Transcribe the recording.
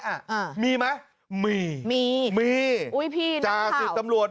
อ่ะมีไหมมีมีมีพี่น้ากข่าวจ่าศิษย์ตำรวจ